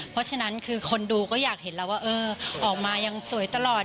เพราะฉะนั้นคือคนดูก็อยากเห็นแล้วว่าเออออกมายังสวยตลอด